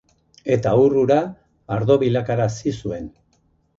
Eta ur hura ardo bilakarazi zuen.